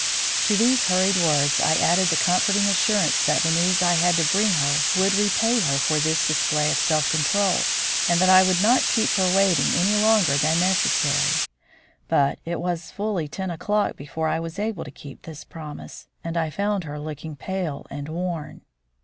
To these hurried words I added the comforting assurance that the news I had to bring her would repay her for this display of self control, and that I would not keep her waiting any longer than was necessary. But it was fully ten o'clock before I was able to keep this promise, and I found her looking pale and worn.